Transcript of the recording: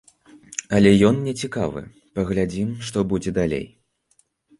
Але ён мне цікавы, паглядзім, што будзе далей.